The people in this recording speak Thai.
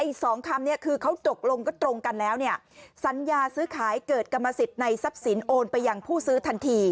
อีกสองคำเนี่ยคือเขาตกลงก็ตรงกันแล้วเนี่ยสัญญาซื้อขายเกิดกรรมสิทธิ์ในทรัพย์สินโอนไปยังผู้ซื้อทันที